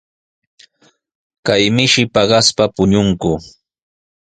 Kay mishi paqaspa puñunku.